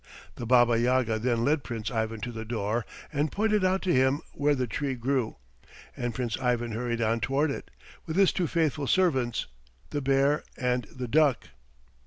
The Baba Yaga then led Prince Ivan to the door and pointed out to him where the tree grew, and Prince Ivan hurried on toward it, with his two faithful servants, the bear and the duck.